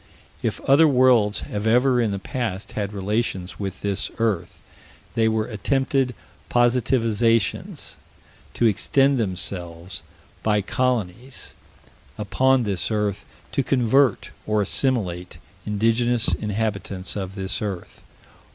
If other worlds have ever in the past had relations with this earth, they were attempted positivizations: to extend themselves, by colonies, upon this earth; to convert, or assimilate, indigenous inhabitants of this earth.